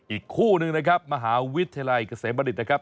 อีกคู่หนึ่งนะครับมหาวิทยาลัยเกษมบดิษฐนะครับ